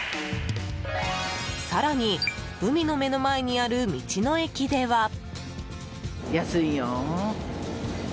更に、海の目の前にある道の駅では。